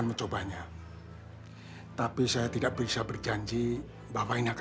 terus kita berwatuk